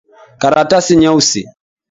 Karatasi nyeusi.